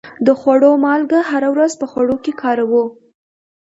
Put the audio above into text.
د خوړو مالګه هره ورځ په خوړو کې کاروو.